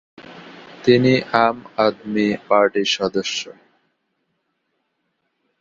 তিনি আম আদমি পার্টির সদস্য।